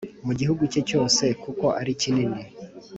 mu gihugu cye cyose kuko ari kinini